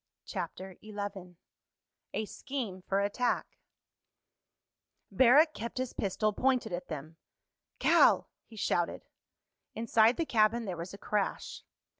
CHAPTER XI A SCHEME FOR ATTACK Barrack kept his pistol pointed at them. "Cal!" he shouted. Inside the cabin there was a crash.